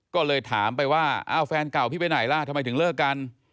ก็เลยถามไปว่าอ้าวแฟนเก่าพี่ไปไหนล่ะทำไมถึงเลิกกัน